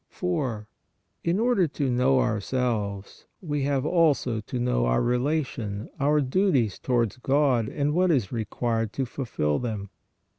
4. In order to know ourselves, we have also to know our relation, our duties towards God and what is required to fulfil them.